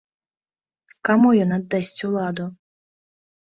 Каму ён аддасць уладу?